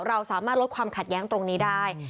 เราสามารถลดความขัดแย้งตรงนี้ได้